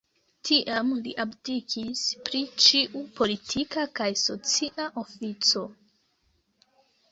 Tiam li abdikis pri ĉiu politika kaj socia ofico.